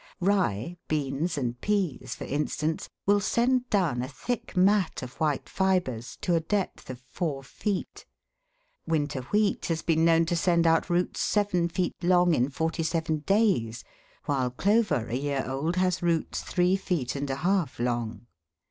Rye, beans, and peas, for instance, will send down a thick mat of white fibres to a depth of four feet ; winter wheat has been known to send out roots seven feet long in forty seven days, while clover a year old has roots three feet and a half long.